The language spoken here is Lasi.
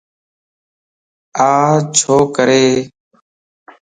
آ ڇو ڪري؟